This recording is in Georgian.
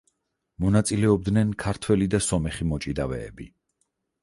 მონაწილეობდნენ ქართველი და სომეხი მოჭადრაკეები.